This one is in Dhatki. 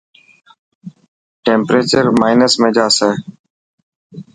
ٽيمپريڄر مائنس ۾ جاسي.